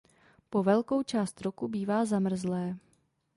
Po velkou část roku bývá zamrzlé.